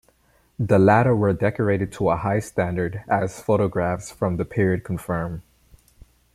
The latter were decorated to a high standard, as photographs from the period confirm.